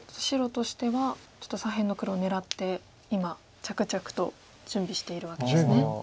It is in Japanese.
白としてはちょっと左辺の黒を狙って今着々と準備しているわけですね。